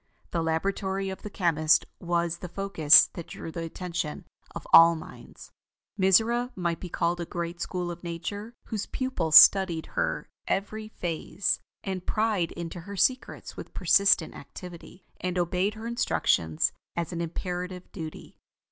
The Laboratory of the Chemist was the focus that drew the attention of all minds. Mizora might be called a great school of Nature, whose pupils studied her every phase, and pried into her secrets with persistent activity, and obeyed her instructions as an imperative duty.